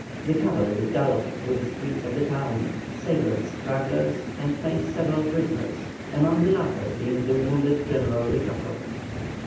The cavalry galloped through the streets of the town, sabred stragglers and made several prisoners, among the latter being the wounded general Ricafort.